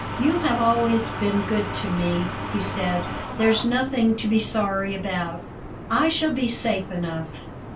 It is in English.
"You have always been good to me," he said. "There's nothing to be sorry about. I shall be safe enough."